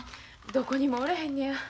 どこにもおらへんねや。